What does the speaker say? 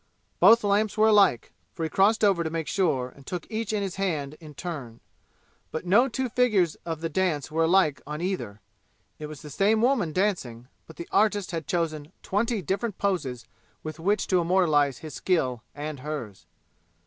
Both lamps were alike, for he crossed over to make sure and took each in his hands in turn. But no two figures of the dance were alike on either. It was the same woman dancing, but the artist had chosen twenty different poses with which to immortalize his skill, and hers.